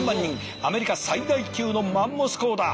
アメリカ最大級のマンモス校だ。